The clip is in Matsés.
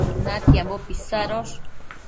natiambo pisadosh